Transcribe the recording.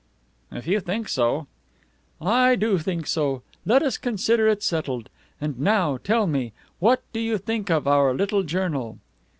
"If you think so " "I do think so. Let us consider it settled. And now, tell me, what do you think of our little journal?"